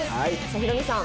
ヒロミさん